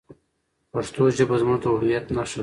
پښتو ژبه زموږ د هویت نښه ده.